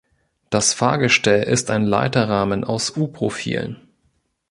Das Fahrgestell ist ein Leiterrahmen aus U-Profilen.